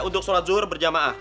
untuk sholat zuhur berjamaah